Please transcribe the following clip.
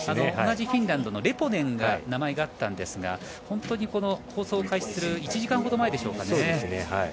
同じフィンランドのレポネンの名前があったんですが本当に放送開始する１時間ほど前でしょうかね。